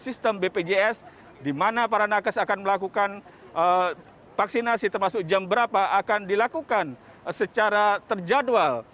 sistem bpjs di mana para nakes akan melakukan vaksinasi termasuk jam berapa akan dilakukan secara terjadwal